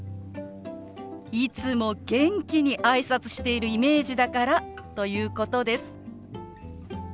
いつも元気に挨拶してるイメージだからということです。